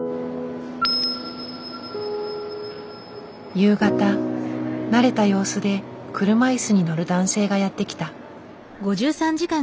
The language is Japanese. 夕方慣れた様子で車いすに乗る男性がやって来た。